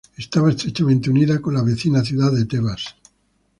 Estaba estrechamente unida con la vecina ciudad de Tebas.